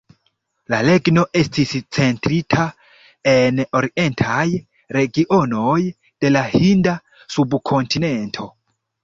La regno estis centrita en orientaj regionoj de la Hinda Subkontinento.